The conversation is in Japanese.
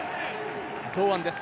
堂安です。